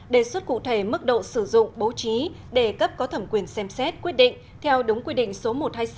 đề xuất cụ thể mức độ sử dụng bố trí đề cấp có thẩm quyền xem xét quyết định theo đúng quy định số một trăm hai mươi sáu